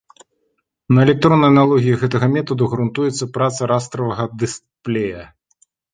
На электроннай аналогіі гэтага метаду грунтуецца праца растравага дысплея.